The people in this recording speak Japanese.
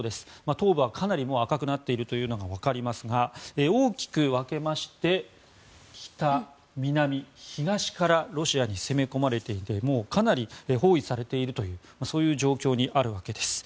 東部はかなり赤くなっているのがわかりますが大きく分けまして北、南、東からロシアに攻め込まれていてもうかなり包囲されているというそういう状況にあるわけです。